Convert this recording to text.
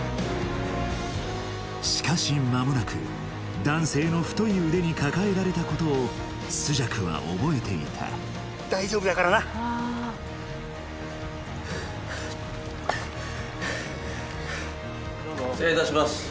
しかし間もなく男性の太い腕に抱えられたことを朱雀は覚えていた大丈夫だからな失礼いたします